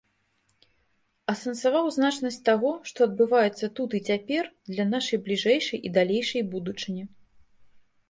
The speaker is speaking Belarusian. Асэнсаваў значнасць таго, што адбываецца тут і цяпер, для нашай бліжэйшай і далейшай будучыні.